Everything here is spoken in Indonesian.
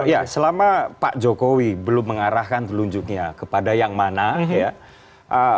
ya selama pak jokowi belum mengarahkan telunjuknya kepada yang mana ya